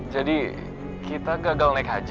jadi kita gagal naik haji